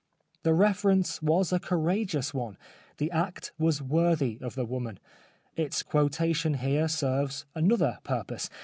The reference was a courageous one ; the act was worthy of the woman. Its quotation here serves another purpose.